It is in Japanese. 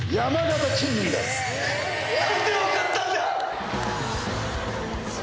何で分かったんだ？